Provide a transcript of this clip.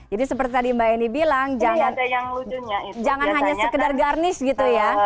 jadi seperti tadi mbak eni bilang jangan hanya sekedar garnish gitu ya